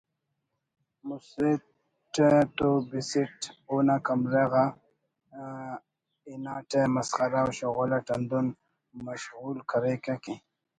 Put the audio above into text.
مسٹہ تو بِسٹ اونا کمرہ غا ہناٹہ مسخرہ و شغل اٹ ہندن مشغول کریکہ کہ